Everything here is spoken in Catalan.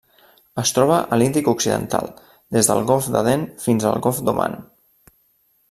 Es troba a l'Índic occidental: des del golf d'Aden fins al golf d'Oman.